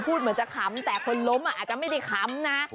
เหมือนจะขำแต่คนล้มอาจจะไม่ได้ขำนะ